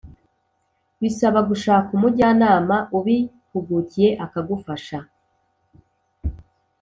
bisaba gushaka umujyanama ubihugukiye akagufasha,